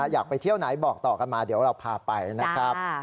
อยากไปเที่ยวไหนบอกต่อกันมาเดี๋ยวเราพาไปนะครับ